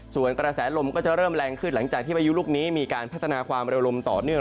ส่วนกระแสลมก็จะเริ่มแรงขึ้นหลังจากที่พายุลูกนี้มีการพัฒนาความระลมต่อเนื่อง